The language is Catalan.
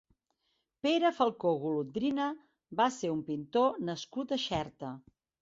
Pere Falcó Golondrina va ser un pintor nascut a Xerta.